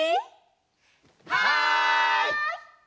はい！